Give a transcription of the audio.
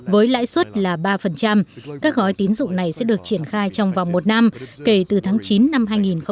với lãi suất là ba các gói tín dụng này sẽ được triển khai trong vòng một năm kể từ tháng chín năm hai nghìn một mươi chín